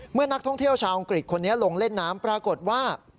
เมื่อนักท่องเที่ยวชาวอังกฤษคนนี้ลงเล่นน้ำปรากฏว่า